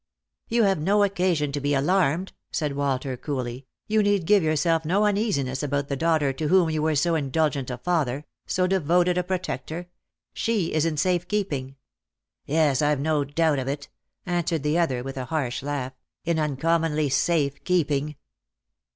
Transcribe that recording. " You have no occasion to be alarmed," said Walter coolly ;" you need give yourself no uneasiness about the daughter to whom you were so indulgent a father, so devoted a protector. She is in safe keeping." " Yes, I've no doubt of it," answered the other, with a harsh laugh ;" in uncommonly safe keeping."